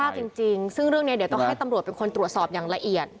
จริงซึ่งเรื่องนี้เดี๋ยวต้องให้ตำรวจเป็นคนตรวจสอบอย่างละเอียด